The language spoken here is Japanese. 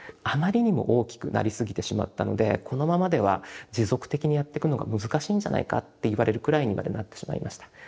あまりにも大きくなりすぎてしまったのでこのままでは持続的にやってくのが難しいんじゃないかっていわれるくらいにまでなってしまいました。